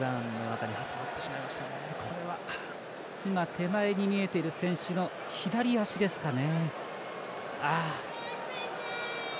手前に見えていた選手の左足ですかね。